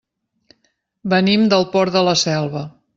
Venim del Port de la Selva.